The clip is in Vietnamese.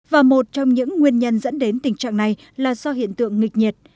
và một trong những nguyên nhân dẫn đến tình trạng này là do hiện tượng nghịch nhiệt